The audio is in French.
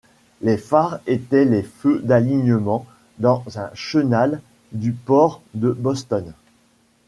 Les phares étaient des feux d'alignement dans un chenal du port de Boston.